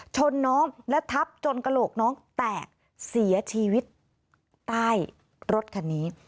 ชนน้องและทับจนกระโหลกน้องแตกเสียชีวิตใต้รถคันนี้